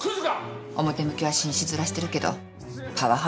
表向きは紳士面してるけどパワハラ男よ。